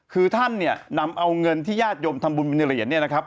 คือท่านเนี่ยนำเอาเงินที่ญาติโยมทำบุญอยู่ในเหรียญเนี่ยนะครับ